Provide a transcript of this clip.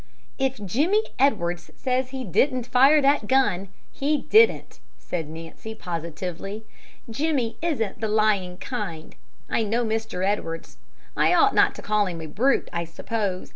"If Jimmie Edwards says he didn't fire that gun, he didn't," said Nancy, positively. "Jimmie isn't the lying kind. I know Mr. Edwards. I ought not to call him a brute, I suppose.